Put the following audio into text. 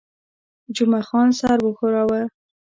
جمعه خان سر وښوراوه.